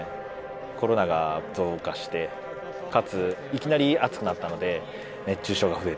コロナが増加してかついきなり暑くなったので熱中症が増えて。